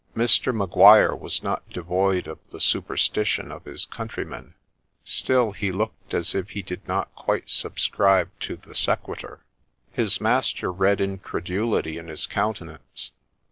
Mr. Maguire was not devoid of the superstition of his country men, still he looked as if he did not quite subscribe to the sequitur. His master read incredulity in his countenance.